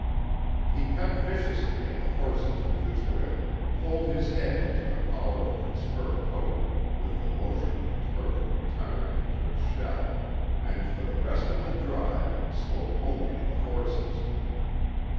He cut viciously at the horses with his whip, pulled his head into the collar of his fur coat with the motion of a turtle retiring into its shell, and for the rest of the drive spoke only to the horses.